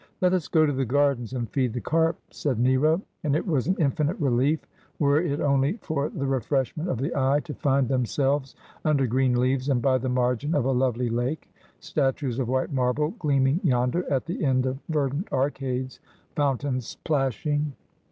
' Let us go to the gardens and feed the carp,' said Nero, and it was an infinite relief, were it only for the refreshment of the eye, to find themselves under green leaves and by the margin of a lovely lake, statues of white marble gleaming yonder at the end of verdant arcades, fountains plashing.